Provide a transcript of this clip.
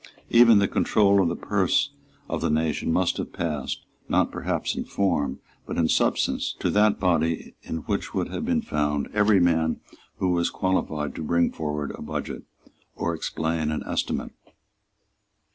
Even the control of the purse of the nation must have passed, not perhaps in form, but in substance, to that body in which would have been found every man who was qualified to bring forward a budget or explain an estimate.